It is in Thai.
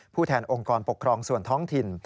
แทนองค์กรปกครองส่วนท้องถิ่น